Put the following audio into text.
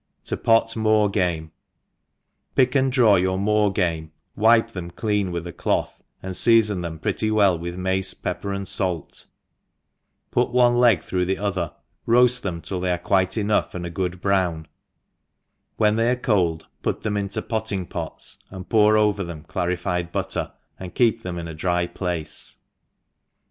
To pof Moor Game* PICK and draw your moor game, wipe them clean with a cloth, and feafon them pretty well with mace, pepper, and fait, put one leg through the other, roalt them till they are quite enough, ind a good brown ; when they are cold put them into potting pots, and pour over them clarified butter, and keep them in a dry place.